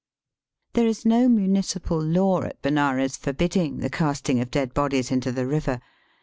There is no municipal law at Benares forbidding the casting of dead bodies into the river.